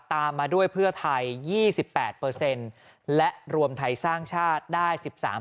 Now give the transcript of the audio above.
ตามมาด้วยเพื่อไทย๒๘และรวมไทยสร้างชาติได้๑๓